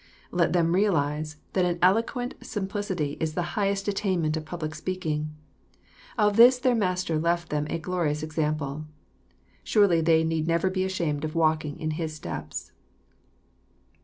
Let them realize, that an eloquent simplicity is the highest attainment of public speaking. Of this their Master lefb them a glorious example. Surely they need never be ashamed of walking in His steps.